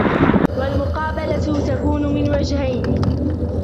وَالْمُقَابَلَةُ تَكُونُ مِنْ وَجْهَيْنِ